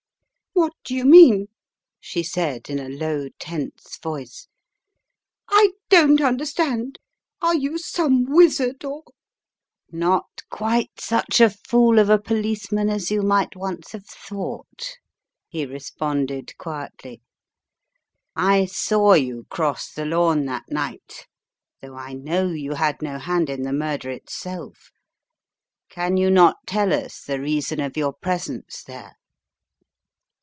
"What do you mean?" she said in a low, tense voice. "I don't understand! Are you some wizard or << Not quite such a fool of a policeman as you might once have thought," he responded, quietly. "I saw you cross the lawn that night, though I know you had no hand in the murder itself. Can you not tell us the reason of your presence there?"